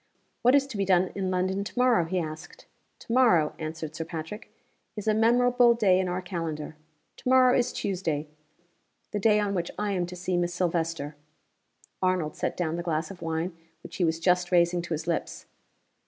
"What is to be done in London to morrow?" he asked. "To morrow," answered Sir Patrick, "is a memorable day in our calendar. To morrow is Tuesday the day on which I am to see Miss Silvester." Arnold set down the glass of wine which he was just raising to his lips.